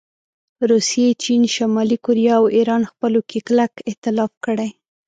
روسیې، چین، شمالي کوریا او ایران خپلو کې کلک ایتلاف کړی